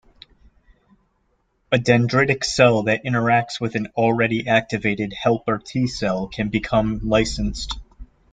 A dendritic cell that interacts with an already-activated helper T cell can become licensed.